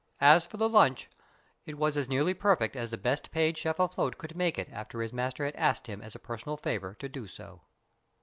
As for the lunch, it was as nearly perfect as the best paid chef afloat could make it, after his master had asked him as a personal favour to do so.